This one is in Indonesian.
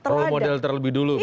role model terlebih dulu